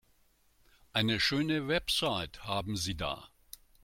Eine schöne Website haben Sie da.